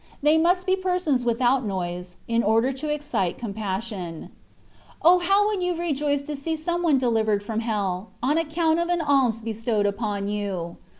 They must be persons without noise, in order to excite compassion. O ! how would you rejoice to see some one delivered from hell, on account of an alms bestowed upon you.